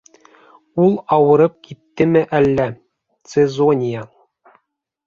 Ул ауырып киттеме әллә, Цезония?